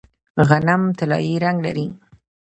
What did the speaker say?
غنم طلایی رنګ لري.